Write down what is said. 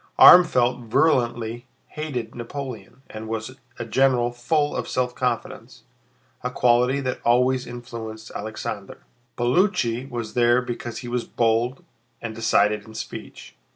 Armfeldt virulently hated Napoleon and was a general full of self confidence, a quality that always influenced Alexander. Paulucci was there because he was bold and decided in speech.